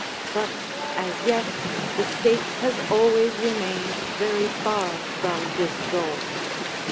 But as yet the state has always remained very far from this goal.